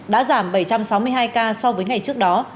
đã giảm bảy trăm sáu mươi hai ca so với ngày trước đó